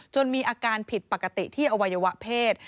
มีอาการผิดปกติที่อวัยวะเพศ